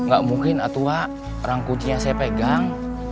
ga mungkin atu wak rangkucinya saya pegang